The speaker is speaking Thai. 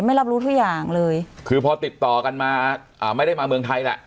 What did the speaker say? ไม่รับรู้ทุกอย่างเลยคือพอติดต่อกันมาอ่าไม่ได้มาเมืองไทยแหละ